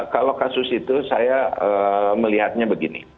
kalau kasus itu saya melihatnya begini